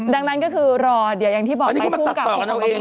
ดังนั้นก็คือรอเหี้ยอย่างที่บอกมายกูกับว่ากิน